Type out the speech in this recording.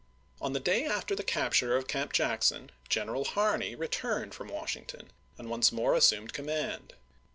On the day after the capture of Camp Jackson, General Harney returned from Washington, and once more assumed command.